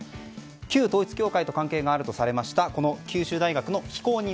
旧統一教会と関係があるとされました九州大学の非公認